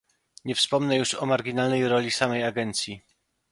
Nie wspomnę już o marginalnej roli samej agencji